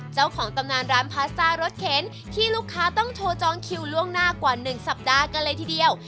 เจ้าของตำนานร้านพาสต้ารถเข็นที่ลูกค้าต้องโทรจองคิวล่วงหน้ากว่า๑สัปดาห์กันเลยทีเดียว